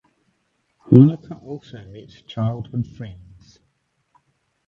Honecker also met childhood friends.